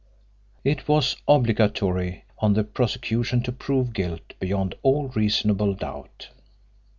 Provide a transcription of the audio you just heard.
It was obligatory on the prosecution to prove guilt beyond all reasonable doubt.